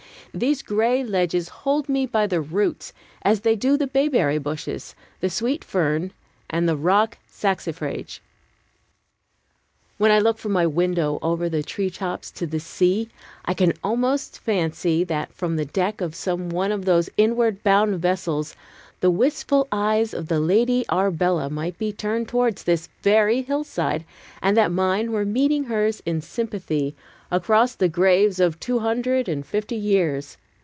These gray ledges hold me by the roots, as they do the bayberry bushes, the sweet fern, and the rock saxifrage. When I look from my window over the tree tops to the sea, I could almost fancy that from the deck of some one of those inward bound vessels the wistful eyes of the Lady Arbella might be turned towards this very hillside, and that mine were meeting hers in sympathy, across the graves of two hundred and fifty years.